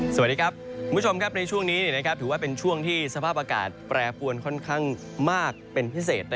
สวัสดีครับคุณผู้ชมครับในช่วงนี้ถือว่าเป็นช่วงที่สภาพอากาศแปรปวนค่อนข้างมากเป็นพิเศษ